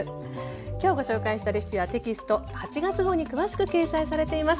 きょうご紹介したレシピはテキスト８月号に詳しく掲載されています。